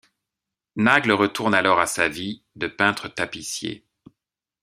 Nagle retourne alors à sa vie depeintre-tapissier.